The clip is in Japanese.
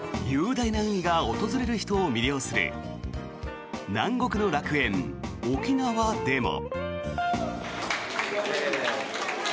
雄大な海が訪れる人を魅了する南国の楽園、沖縄でも。